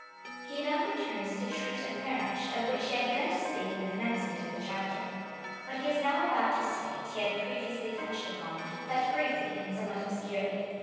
He now returns to treat of mar riage, of which he had begun to speak in the commencement of the chapter. What he is now about to state he had previously touched upon, but briefly and somewhat obscurely.